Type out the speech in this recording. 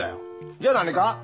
じゃ何か？